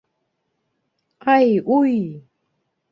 Ай, уй!